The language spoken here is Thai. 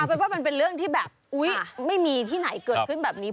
เป็นว่ามันเป็นเรื่องที่แบบอุ๊ยไม่มีที่ไหนเกิดขึ้นแบบนี้